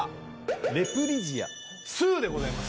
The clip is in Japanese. レプリジアⅡでございます。